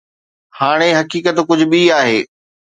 هاڻي حقيقت ڪجهه ٻي آهي.